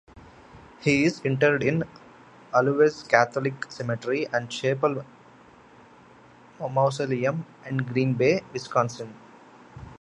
He is interred in Allouez Catholic Cemetery and Chapel Mausoleum in Green Bay, Wisconsin.